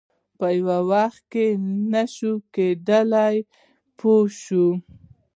په یو وخت کې نه شي کېدای پوه شوې!.